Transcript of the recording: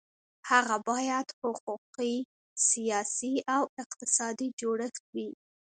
هغه باید حقوقي، سیاسي او اقتصادي جوړښت وي.